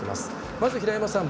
まず、平山さん